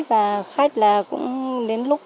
và khách là cũng đến làm ăn múa